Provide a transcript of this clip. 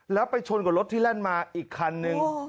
แล้วไปชนกับรถที่แล่นมาอีกคันนึง